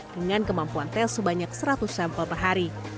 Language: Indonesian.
dengan kemampuan tes sebanyak seratus sampel per hari